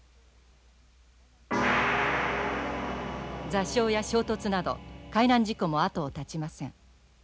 座礁や衝突など海難事故も後を絶ちません。